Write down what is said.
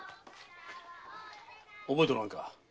覚えておらんか？